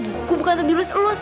buku bukan tuh dilus elus